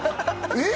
えっ！